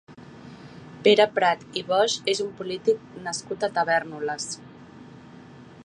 Pere Prat i Boix és un polític nascut a Tavèrnoles.